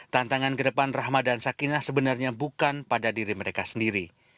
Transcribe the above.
tantangan kedepan rahma dan sakinah sebenarnya bukan pada diri mereka sendiri